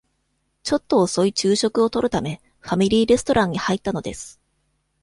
ちょっと遅い昼食をとるため、ファミリーレストランに入ったのです。